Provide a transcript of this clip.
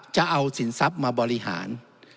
จะเอาสินทรัพย์มาบริหาร